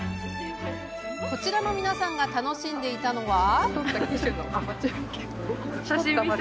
こちらの皆さんが楽しんでいたのは？